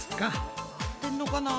合ってんのかな？